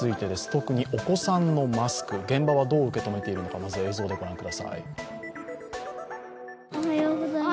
特にお子さんのマスク、現場はどう受け止めているのか、まずは映像で御覧ください。